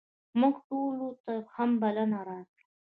موږ ټولو ته یې هم بلنه راکړه.